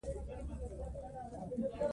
د وطن مینه له ایمانه ده.